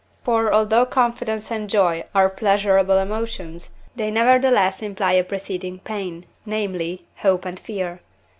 For although confidence and joy are pleasurable emotions, they nevertheless imply a preceding pain, namely, hope and fear.